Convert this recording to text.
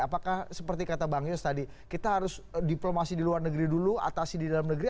apakah seperti kata bang yos tadi kita harus diplomasi di luar negeri dulu atasi di dalam negeri